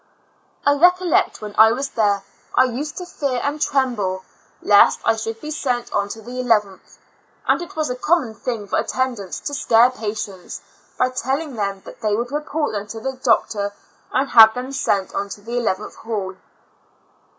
I recollect when I was there, I used to fear and tremble, lest I should be sent on to the eleventh; and it was a common thing for attendants to scare patients, by telling them they would report them to the doctor 92 ^TFo Years and Four Months and have them sent on to the eleventh hall.